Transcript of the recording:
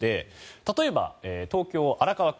例えば、東京・荒川区。